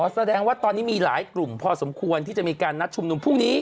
แสดงว่าตอนนี้มีหลายกลุ่มพอสมควรที่จะมีการนัดชุมนุมพรุ่งนี้